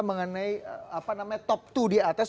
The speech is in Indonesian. mengenai top dua di atas